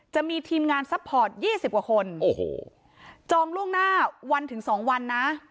จะมีทีมงานซัพพอร์ต๒๐กว่าคนโอ้โหจองล่วงหน้าวันถึง๒วันนะ